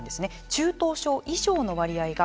中等症以上の割合が